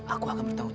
aku akan menangis